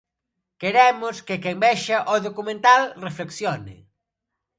"Queremos que quen vexa o documental reflexione".